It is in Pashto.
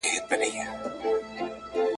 ټول د نورو له عیبونو پړسېدلی ,